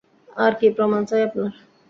আর কী প্রমাণ চাই আপনার?